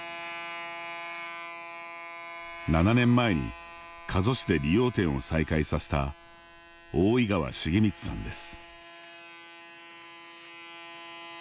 ７年前に加須市で理容店を再開させた大井川繁光さんです。